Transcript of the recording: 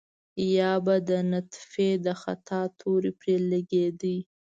يا به د نطفې د خطا تور پرې لګېده.